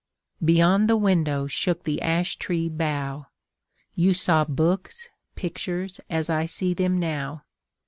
Beyond the window shook the ash tree bough, You saw books, pictures, as I see them now.